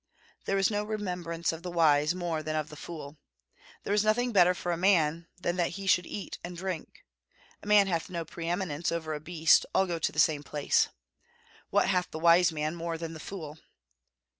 There is no remembrance of the wise more than of the fool.... There is nothing better for a man than that he should eat and drink.... A man hath no pre eminence over a beast; all go to the same place.... What hath the wise man more than the fool?...